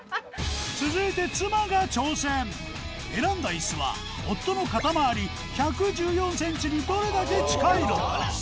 続いて選んだ椅子は夫の肩回り１１４ｃｍにどれだけ近いのか？